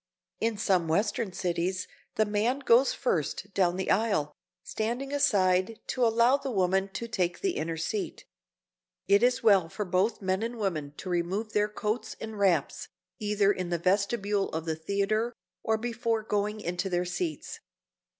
In some western cities the man goes first down the aisle, standing aside to allow the woman to take the inner seat. It is well for both men and women to remove their coats and wraps, either in the vestibule of the theater or before going into their seats.